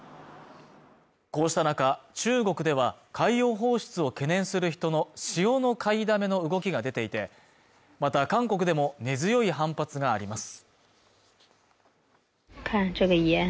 こうした中、中国では海洋放出を懸念する人の塩の買いだめの動きが出ていてまた韓国でも根強い反発があります